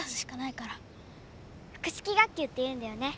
複式学級っていうんだよね？